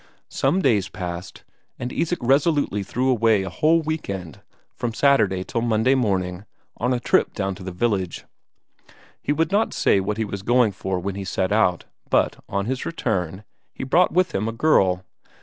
Some days passed, and Isak resolutely threw away a whole week end from Saturday evening till Monday morning on a trip down to the village. He would not say what he was going for when he set out, but on his return, he brought with him a girl.